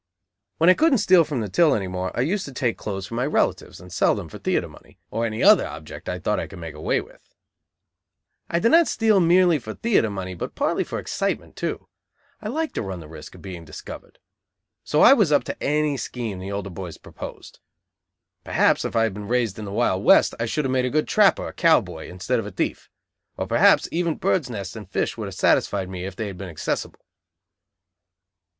When I couldn't steal from the till any more, I used to take clothes from my relatives and sell them for theatre money; or any other object I thought I could make away with. I did not steal merely for theatre money but partly for excitement too. I liked to run the risk of being discovered. So I was up to any scheme the older boys proposed. Perhaps if I had been raised in the wild West I should have made a good trapper or cow boy, instead of a thief. Or perhaps even birds' nests and fish would have satisfied me, if they had been accessible.